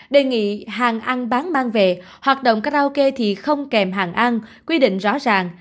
đề nghị hàng ăn bán mang về hoạt động karaoke thì không kèm hàng ăn quy định rõ ràng